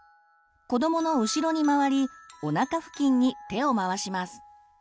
子どもの後ろに回りおなか付近に手を回します。